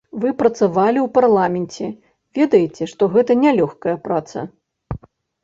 Вы працавалі ў парламенце, ведаеце, што гэта нялёгкая праца.